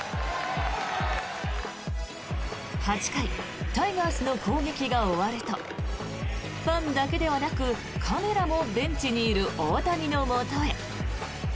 ８回タイガースの攻撃が終わるとファンだけではなく、カメラもベンチにいる大谷のもとへ。